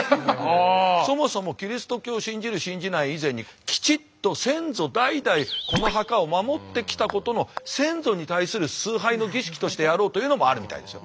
そもそもキリスト教を信じる信じない以前にきちっと先祖代々この墓を守ってきたことの先祖に対する崇拝の儀式としてやろうというのもあるみたいですよ。